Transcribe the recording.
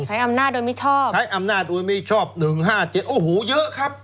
ใช้อำนาจโดยมิชชอบใช้อำนาจโดยมิชชอบหนึ่งห้าเจ็ดโอ้โหเยอะครับ